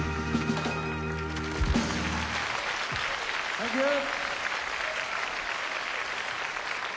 サンキュー！